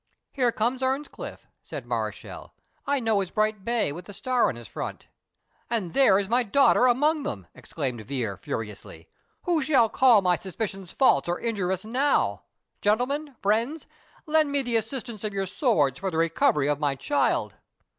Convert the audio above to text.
"There comes Earnscliff," said Mareschal; "I know his bright bay with the star in his front." "And there is my daughter along with him," exclaimed Vere, furiously. "Who shall call my suspicions false or injurious now? Gentlemen friends lend me the assistance of your swords for the recovery of my child."